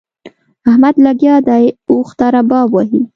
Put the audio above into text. احمد لګيا دی؛ اوښ ته رباب وهي.